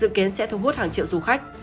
dự kiến sẽ thu hút hàng triệu du khách